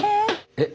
えっ？